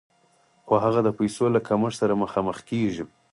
خو هغه د پیسو له کمښت سره مخامخ کېږي